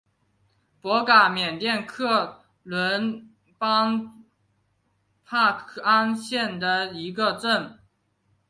博嘎里缅甸克伦邦帕安县的一个镇。